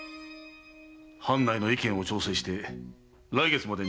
藩内の意見を調整して来月までに返答をくれ。